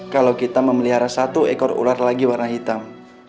kalau kita memelihara satu ekor ular lagi warna hitam